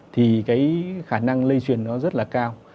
thì cái khả năng lây truyền nó rất là cao